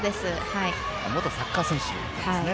元サッカー選手ですね。